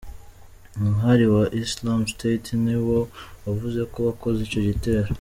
Umuhari wa Islamic State ni wo wavuze ko wakoze ico gitero.